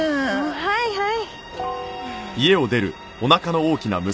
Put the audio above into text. はいはい。